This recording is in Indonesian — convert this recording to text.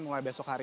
mulai besok hari